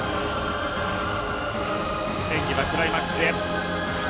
演技はクライマックスへ。